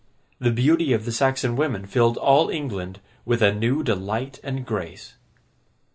The beauty of the Saxon women filled all England with a new delight and grace.